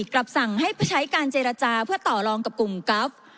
กลับสั่งให้ใช้การเจรจาเพื่อต่อลองกับกลุ่มกราฟ